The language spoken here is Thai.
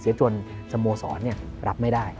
เสียจนสมโมสอนรับไม่ได้